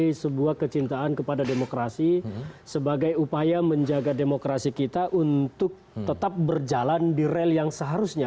sebagai sebuah kecintaan kepada demokrasi sebagai upaya menjaga demokrasi kita untuk tetap berjalan di rel yang seharusnya